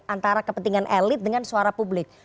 antara kepentingan elit dengan suara publik